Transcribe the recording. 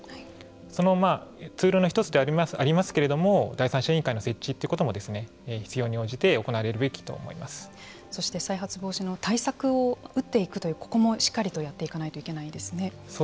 そのツールの一つでありますけれども第三者委員会の設置ということも必要に応じてそして再発防止の対策を打っていくというここもしっかりとやっていかなければいけないですね。